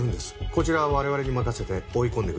こちらは我々に任せて追い込んでください。